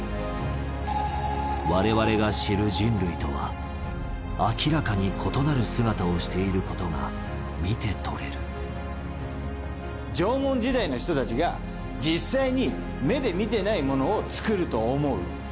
我々が知る人類とは明らかに異なる姿をしていることが見てとれる縄文時代の人たちが実際に目で見てないものを作ると思う？